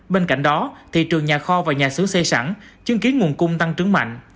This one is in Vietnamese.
bên cạnh đó thị trường nhà kho và nhà xưởng xây sẵn chứng kiến nguồn cung tăng trưởng mạnh